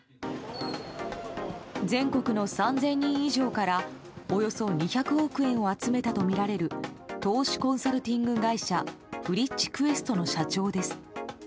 全国の３０００人以上からおよそ２００億円を集めたとみられる投資コンサルティング会社フリッチクエストの社長です。